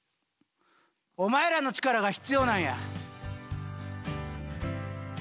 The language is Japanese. お前らの力が必要なんや。